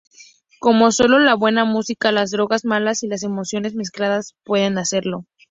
Como sólo la buena música, las drogas malas y las emociones mezcladas pueden hacerlo".